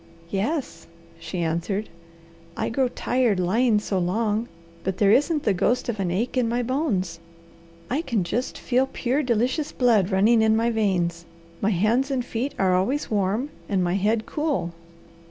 "Yes," she answered. "I grow tired lying so long, but there isn't the ghost of an ache in my bones. I can just feel pure, delicious blood running in my veins. My hands and feet are always warm, and my head cool."